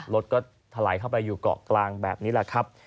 รถก็ถลายเข้าไปอยู่เกาะกลางแบบนี้แหละครับ